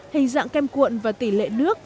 hình dạng kem cuộn và tỷ lệ nước